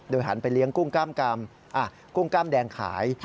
โดยหันไปเลี้ยงกุ้งกล้ามดแดงขาย